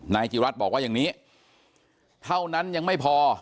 นายจิรัตน์บอกว่าอย่างนี้เท่านั้นยังไม่พอ